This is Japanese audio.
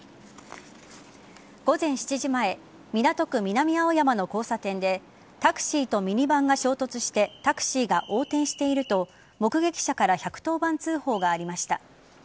午前７時前港区南青山の交差点でタクシーとミニバンが衝突してタクシーが横転していると目撃者から１１０番通報がありました。